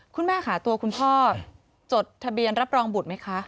คุณแม่ค่ะตัวคุณพ่อจดทะเบียนรับรองบุตรไหมคะ